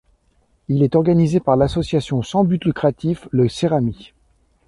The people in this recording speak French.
Il est organisée par l'association sans but lucratif Le Cerami.